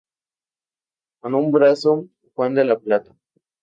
Con un abrazo, Juan de la Plata.